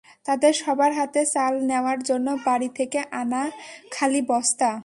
তাঁদের সবার হাতে চাল নেওয়ার জন্য বাড়ি থেকে আনা খালি বস্তা।